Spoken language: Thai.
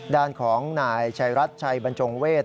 ด้านของนายชายรัชชัยบัญชงเวศ